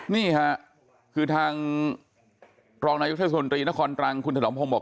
นี่ค่ะคือทางรองนายกเทศมนตรีนครตรังคุณถนอมพงศ์บอก